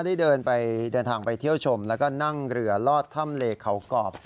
ได้เดินทางไปเที่ยวชมแล้วก็นั่งเรือลอดถ้ำเลเขากรอบ